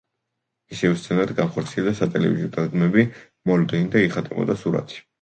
მისივე სცენარით განხორციელდა სატელევიზიო დადგმები „მოლოდინი“ და „იხატებოდა სურათი“.